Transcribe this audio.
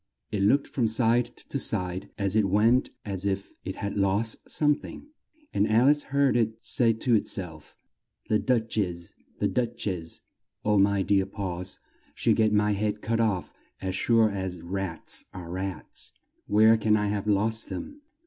It looked from side to side as it went as if it had lost some thing; and Al ice heard it say to it self, "The Duch ess! The Duch ess! Oh, my dear paws! She'll get my head cut off as sure as rats are rats! Where can I have lost them!"